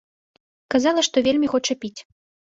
Казала, што вельмі хоча піць.